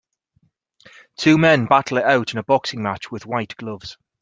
Two men battle it out in a boxing match with white gloves.